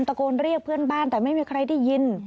ตัวเองก็คอยดูแลพยายามเท็จตัวให้ตลอดเวลา